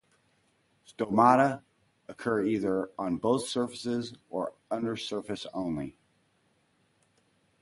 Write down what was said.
Stomata occur either on both surfaces or undersurface only.